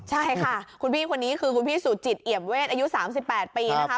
ใช่ค่ะคุณพี่คนนี้คือคุณพี่สุจิตเอี่ยมเวทอายุ๓๘ปีนะคะ